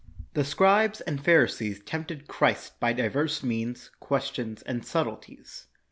The scribes and Pharisees tempted Christ by divers means, questions, and subtleties.